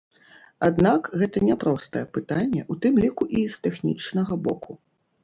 Аднак гэта няпростае пытанне, у тым ліку і з тэхнічнага боку.